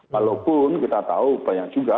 walaupun kita tahu banyak juga